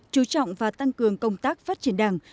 chú trọng và tăng cường công tác phát triển đảng